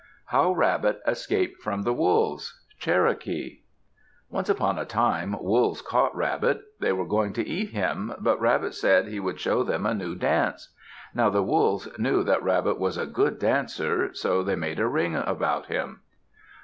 HOW RABBIT ESCAPED FROM THE WOLVES Cherokee Once upon a time, Wolves caught Rabbit. They were going to eat him, but Rabbit said he would show them a new dance. Now the Wolves knew that Rabbit was a good dancer, so they made a ring around him.